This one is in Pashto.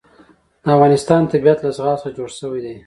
د افغانستان طبیعت له زغال څخه جوړ شوی دی.